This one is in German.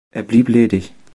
Er blieb ledig.